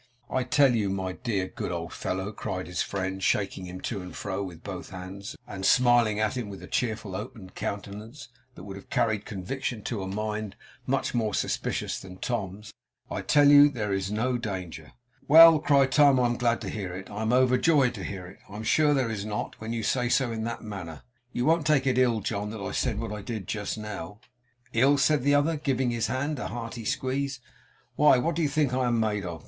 'I tell you, my dear good old fellow,' cried his friend, shaking him to and fro with both hands, and smiling at him with a cheerful, open countenance, that would have carried conviction to a mind much more suspicious than Tom's; 'I tell you there is no danger.' 'Well!' cried Tom, 'I am glad to hear it; I am overjoyed to hear it. I am sure there is not, when you say so in that manner. You won't take it ill, John, that I said what I did just now!' 'Ill!' said the other, giving his hand a hearty squeeze; 'why what do you think I am made of?